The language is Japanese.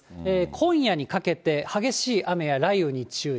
今夜にかけて激しい雨や雷雨に注意。